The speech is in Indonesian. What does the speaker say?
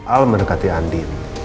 al mendekati andi